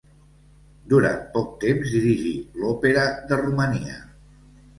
Durant poc temps dirigí, l'Òpera de Romania.